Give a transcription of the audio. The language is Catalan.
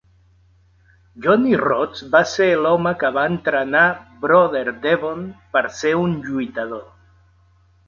Johnny Rodz va ser l"home que va entrenar Brother Devon per ser un lluitador.